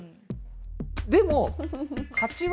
でも。